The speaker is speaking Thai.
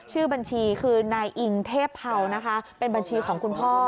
ชื่อบัญชีคือนายอิงเทพเผานะคะเป็นบัญชีของคุณพ่อ